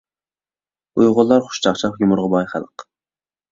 ئۇيغۇرلار خۇش چاقچاق، يۇمۇرغا باي خەلق.